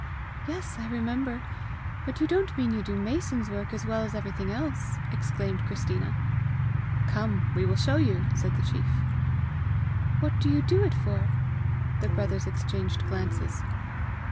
"Yes, I remember. But you don't mean you do mason's work as well as everything else?" exclaimed Christina. "Come; we will show you," said the chief. "What do you do it for?" The brothers exchanged glances.